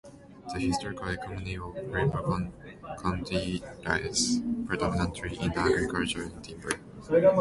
The historical economy of Ravalli County lies predominantly in agriculture and timber.